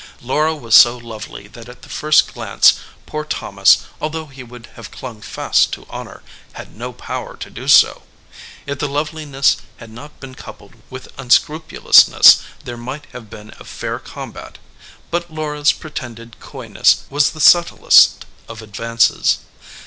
Laura was so lovely that at the first glance poor Thomas, although he would have clung fast to honor, had no power to do so. If the loveliness had not been coupled with unscrupulousness there might have been a fair combat. But Laura s pretended coyness was the subtlest of advances.